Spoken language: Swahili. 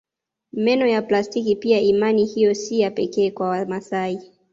Meno ya plastiki pia imani hiyo si ya pekee kwa Wamasai